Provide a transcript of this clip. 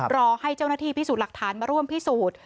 รอให้เจ้าหน้าที่พิสูจน์หลักฐานมาร่วมพิสูจน์